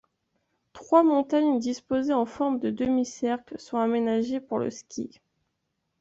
Trois montagnes disposées en forme de demi-cercle sont aménagées pour le ski.